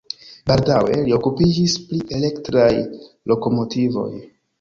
Baldaŭe li okupiĝis pri elektraj lokomotivoj.